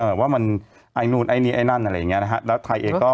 ว่ามันไอ้นู่นไอ้นี่ไอ้นั่นอะไรอย่างเงี้นะฮะแล้วไทยเองก็